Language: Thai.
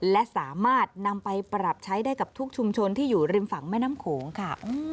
และสามารถนำไปปรับใช้ได้กับทุกชุมชนที่อยู่ริมฝั่งแม่น้ำโขงค่ะ